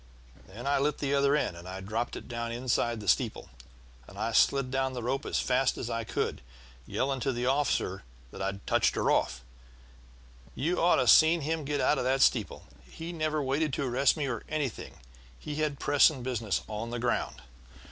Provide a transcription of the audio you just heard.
Then I lit the other end, dropped it down inside the steeple, and slid down the rope as fast as I could, yelling to the officer that I'd touched her off. You ought to have seen him get out of that steeple! He never waited to arrest me or anything; he had pressing business on the ground!